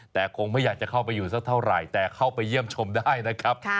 แต่คงไม่อยากจะเข้าไปอยู่สักเท่าไหร่แต่เข้าไปเยี่ยมชมได้นะครับ